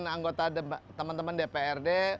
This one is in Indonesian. anggota teman teman dprd